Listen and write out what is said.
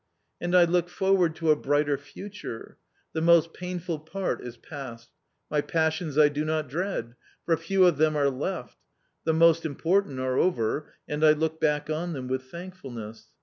And I look forward to a brighter future ; the most painful part is past ; my passions I do not dread, for few of them are left ; the most important are over, and I look back on them with thankfulness.